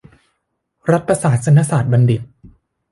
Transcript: รัฐประศาสนศาตรบัณฑิต